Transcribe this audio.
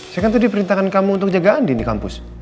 saya kan tadi perintahkan kamu untuk jaga andi di kampus